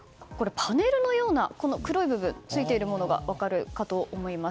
パネルのような黒い部分がついていることが分かるかと思います。